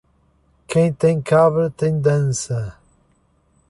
Quem tem cabra tem dança.